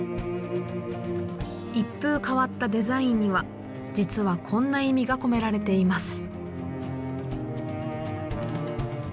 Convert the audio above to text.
一風変わったデザインには実はこんな意味が込められています。